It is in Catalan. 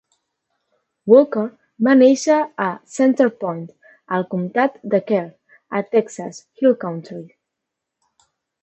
Walker va néixer a Center Point, al comtat de Kerr, a Texas Hill Country.